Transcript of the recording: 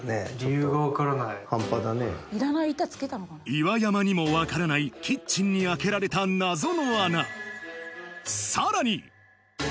岩山にも分からないキッチンに開けられた謎の穴さらに